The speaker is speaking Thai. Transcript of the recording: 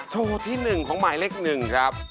โชว์ที่๑ของหมายเลข๑ครับ